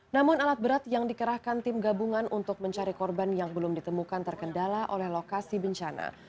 namun alat berat yang dikerahkan tim gabungan untuk mencari korban yang belum ditemukan terkendala oleh lokasi bencana